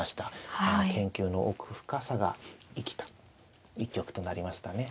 研究の奥深さが生きた一局となりましたね。